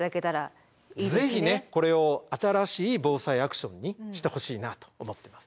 ぜひねこれを新しい「ＢＯＳＡＩアクション」にしてほしいなと思ってます。